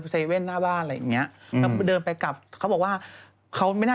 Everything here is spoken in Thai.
มือก็ต้องมีปัญหาภิการทางมือด้วย